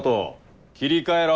切り替えろ！